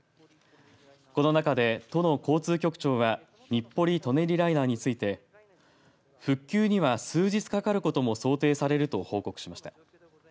この中で都の交通局長は日暮里・舎人ライナーについて復旧には数日かかることも想定されると報告しました。